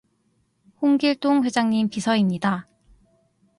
홍길동 회장님 비서입니다